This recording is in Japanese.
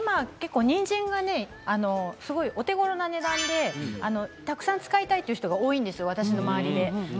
にんじんがすごく、お手ごろな値段でたくさん使いたいという人が多いんですよ、私の周りで。